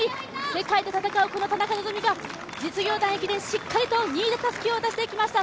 世界で戦うこの田中希実が実業団駅伝、しっかりと２位でたすきを渡していきました。